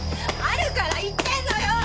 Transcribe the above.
あるから言ってんのよ！